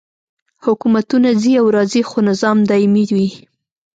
حکومتونه ځي او راځي خو نظام دایمي وي.